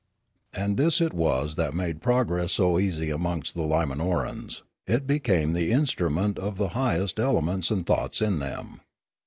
And this it was that made progress so easy amongst the Limanorans; it became the instrument of the high est elements and thoughts in them.